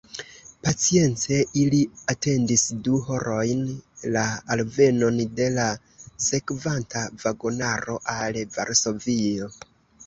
Pacience ili atendis du horojn la alvenon de la sekvanta vagonaro al Varsovio.